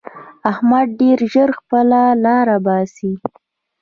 احمد ډېر ژر خپله لاره باسي.